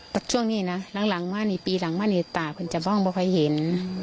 แต่ช่วงนี้นะปีหลังมานี้ต่างคือจะบ้างไม่เคยเห็น